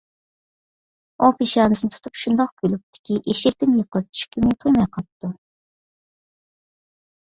ئۇ پېشانىسىنى تۇتۇپ، شۇنداق كۈلۈپتۇكى، ئېشەكتىن يىقىلىپ چۈشكىنىنى تۇيماي قاپتۇ.